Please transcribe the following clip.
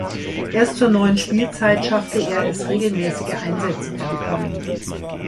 Erst zur neuen Spielzeit schaffte er es regelmäßige Einsätze zu bekommen.